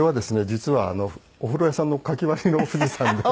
実はお風呂屋さんの書き割りの富士山で。